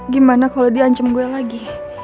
gimana kalau dia ancam gue lagi